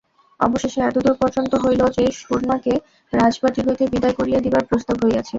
অবশেষে এতদূর পর্যন্ত হইল যে সুরমাকে রাজবাটি হইতে বিদায় করিয়া দিবার প্রস্তাব হইয়াছে।